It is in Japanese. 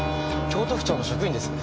京都府庁の職員です。